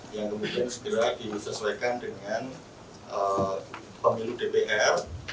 yang kemudian segera disesuaikan dengan pemilu dpr